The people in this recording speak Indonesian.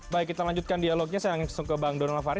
baik kita lanjutkan dialognya saya langsung ke bang donald farid